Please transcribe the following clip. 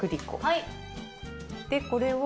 はい。